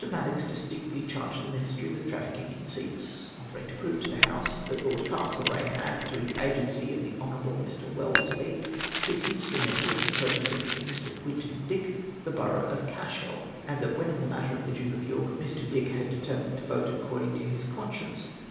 Madocks distinctly charged the Ministry with trafficking in seats, offering to prove to the House that Lord Castlereagh had, through the agency of the Honourable Mr. Wellesley, been instrumental in purchasing for Mr. Quintin Dick the borough of Cashel ; and that when in the matter of the Duke of York Mr. Dick had determined to vote according to his conscience.